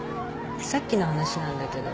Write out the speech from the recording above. さっきの話なんだけど。